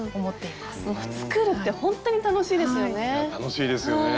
作るってほんとに楽しいですよね。